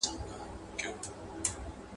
ارزان بې علته نه وي، گران بې حکمته نه وي.